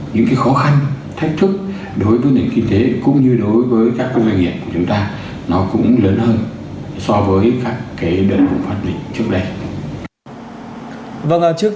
những cái khó khăn thách thức đối với nền kinh tế cũng như đối với các công doanh nghiệp của chúng ta nó cũng lớn hơn so với các cái đợt vùng phát dịch trước đây